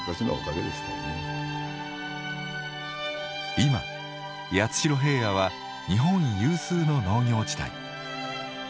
今八代平野は日本有数の農業地帯。